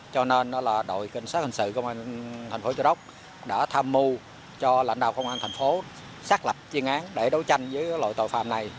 cho nên đội kinh sát hình sự tp châu đốc đã tham mưu cho lãnh đạo công an tp xác lập chiến án để đấu tranh với loại tội phạm này